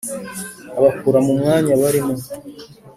abakura mu mwanya barimo.